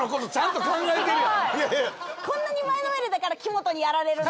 こんなに前のめりだから木本にやられるんだ。